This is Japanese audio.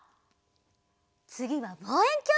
つぎはぼうえんきょう！